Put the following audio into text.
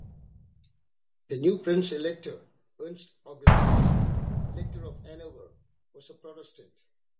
The new prince-elector Ernest Augustus, Elector of Hanover was a Protestant.